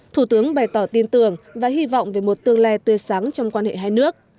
thủ tướng bày tỏ tin tưởng và hy vọng về một tương lai tươi sáng trong quan hệ hai nước